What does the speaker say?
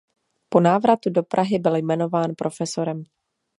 Po návratu do Prahy byl jmenován profesorem.